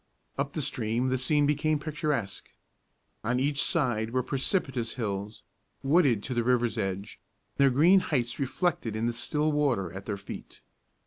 Up the stream the scene became picturesque. On each side were precipitous hills, wooded to the river's edge, their green heights reflected in the still water at their feet.